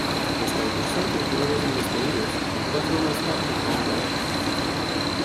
Los concursantes luego son despedidos, con cuatro más tarde que le llamen.